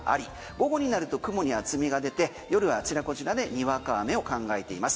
午後になると雲に厚みが出て夜はあちらこちらでにわか雨を考えています。